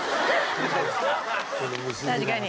確かに。